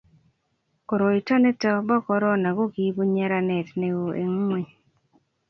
koroito nito bo korno ko kiibu nyeranet neoo eng' ng'ony